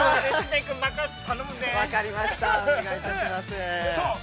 お願いいたします。